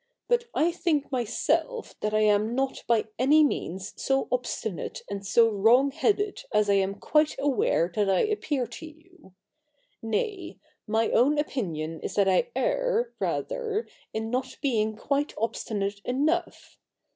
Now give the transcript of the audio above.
But I think myself that I am not by any means so obstinate and so wrong headed as I am quite aware that I appear to you ; nay, my own opinion is that I err, rather, in not being quite obstinate enough.